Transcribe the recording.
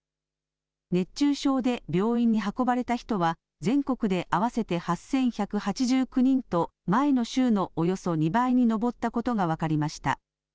熱中症で病院に運ばれた人は、全国で合わせて８１８９人と、前の週のおよそ２倍に上ったことが分かりました。